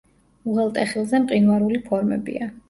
უღელტეხილზე მყინვარული ფორმებია.